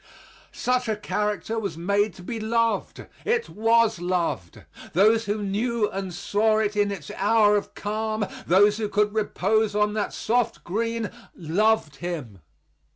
Such a character was made to be loved. It was loved. Those who knew and saw it in its hour of calm those who could repose on that soft green loved him.